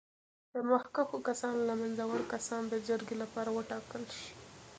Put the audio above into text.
د مخکښو کسانو له منځه وړ کسان د جرګې لپاره وټاکل شي.